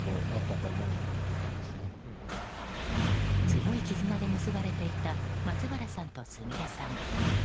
強い絆で結ばれていた松原さんとすみれさん。